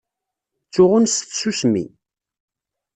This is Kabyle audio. Ttsuɣun s tsusmi.